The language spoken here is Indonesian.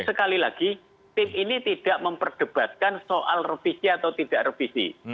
sekali lagi tim ini tidak memperdebatkan soal revisi atau tidak revisi